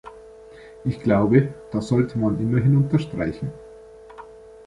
Ich glaube, das sollte man immerhin unterstreichen.